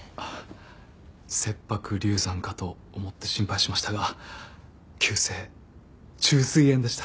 切迫流産かと思って心配しましたが急性虫垂炎でした。